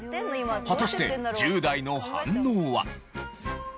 果たして１０代の反応は？